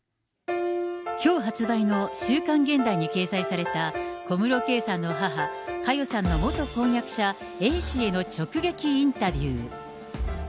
きょう発売の週刊現代に掲載された小室圭さんの母、佳代さんの元婚約者、Ａ氏への直撃インタビュー。